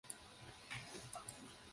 康熙十年任大理寺卿。